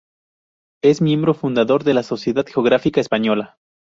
Es Miembro Fundador de la Sociedad Geográfica Española.